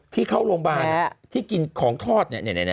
ที่เข้าโรงพยาบาลที่กินของทอด